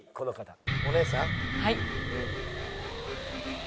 はい。